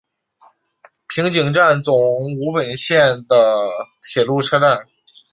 平井站总武本线的铁路车站。